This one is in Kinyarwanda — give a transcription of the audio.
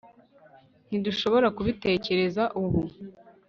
ntidushobora kubitekereza ubu